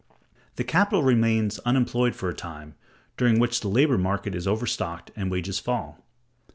The capital remains unemployed for a time, during which the labor market is overstocked, and wages fall.